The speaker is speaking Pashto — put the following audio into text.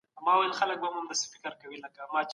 که پروګرام سم نه وي سياسي موخي نه ترلاسه کېږي.